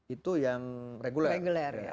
itu yang reguler